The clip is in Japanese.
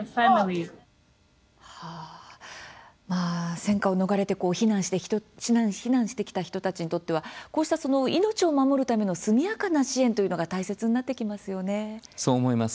戦火を逃れて避難してきた人たちにとってはこうした命を守るための速やかな支援というのがそう思います。